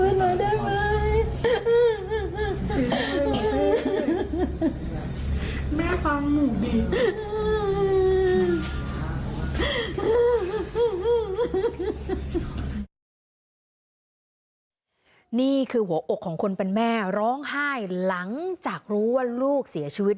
นี่คือหัวอกของคนเป็นแม่ร้องไห้หลังจากรู้ว่าลูกเสียชีวิต